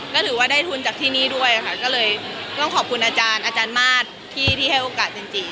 ก็ถือว่าได้ทุนจากที่นี่ด้วยค่ะก็เลยต้องขอบคุณอาจารย์มาสที่ให้โอกาสเจนจิ